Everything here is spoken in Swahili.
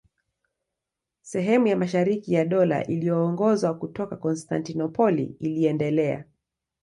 Sehemu ya mashariki ya Dola iliyoongozwa kutoka Konstantinopoli iliendelea.